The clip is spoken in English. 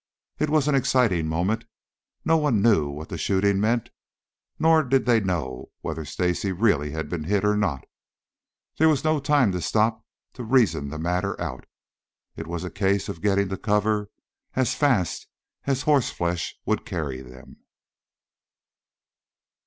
It was an exciting moment. No one knew what the shooting meant, nor did they know whether Stacy really had been hit or not. There was no time to stop to reason the matter out. It was a case of getting to cover as fast as horse flesh would carry them.